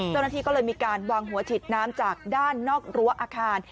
เจ้าหน้าที่ก็เลยมีการวางหัวฉีดน้ำจากด้านนอกรั้วอาคาร